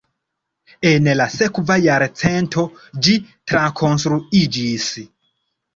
En la sekva jarcento ĝi trakonstruiĝis.